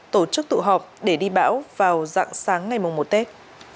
tổ chức tụ họp để đi bão vào dạng sáng ngày mùng một tết